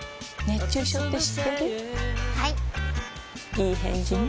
いい返事ね